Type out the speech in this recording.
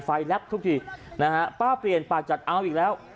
แลบทุกทีนะฮะป้าเปลี่ยนปากจัดเอาอีกแล้ว